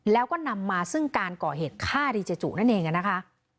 แล้วก็นำมาซึ่งการก่อเหตุฆ่าดีเจจุนั่นเองนะคะ